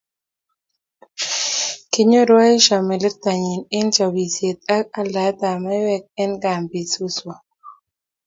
Kinyoru Aisha melektonyi eng chobisiet ak aldaetab maiywek eng kambisuswa